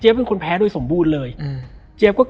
แล้วสักครั้งหนึ่งเขารู้สึกอึดอัดที่หน้าอก